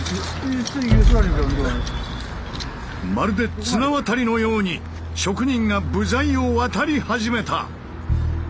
まるで綱渡りのように職人が部材を渡り始めた。